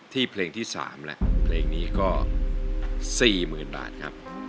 เพลงที่๓และเพลงนี้ก็๔๐๐๐บาทครับ